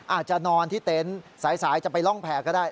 อาจจะนอนที่เต็นต์สายจะไปร่องแผ่ก็ได้